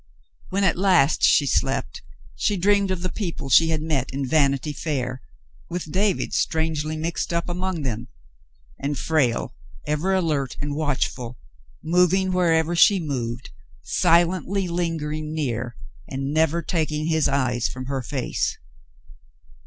When at last she slept, she dreamed of the people she had met in Vanity Fairy with David strangely mixed up among them, and Frale ever alert and watchful, moving wherever she moved, silently lingering near and never taking his eyes from her face.